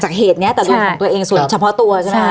จากเหตุเนี้ยตะเดินของตัวเองส่วนเฉพาะตัวใช่ไหม